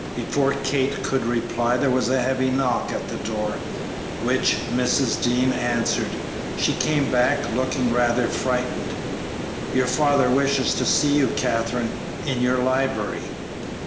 Before Kate could reply there was a heavy knock at the door, which Mrs. Dean answered. She came back looking rather frightened. "Your father wishes to see you, Katherine, in your library.